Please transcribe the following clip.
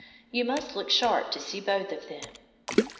You must look sharp to see both of them.